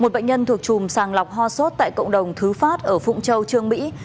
một bệnh nhân thuộc chùm sàng lọc ho sốt tại cộng đồng thứ phát ở phụng châu trương mỹ